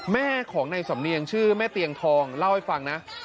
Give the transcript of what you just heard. แม่ของในสำเนียงชื่อแม่เตียงทองเล่าให้ฟังนะ